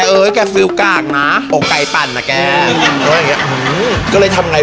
โอ้โห